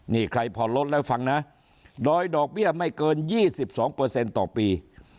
นี่ใครผ่อนรถแล้วฟังนะโดยดอกเบี้ยไม่เกิน๒๒ต่อปี